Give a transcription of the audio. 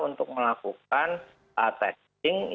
untuk melakukan testing